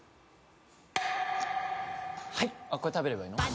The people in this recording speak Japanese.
はいあこれ食べればいいの